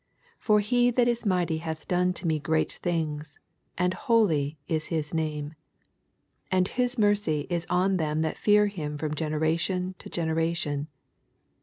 49 For he that is mighty hath done to me great things ; and holy w his name. 60 And his mercy it on them that fear him from generation to genera tion.